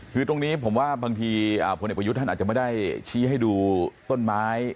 คือตรงนี้ผมว่าบางทีพลเอกประยุทธ์ท่านอาจจะไม่ได้ชี้ให้ดูต้นไม้